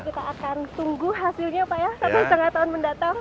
kita akan tunggu hasilnya pak ya satu setengah tahun mendatang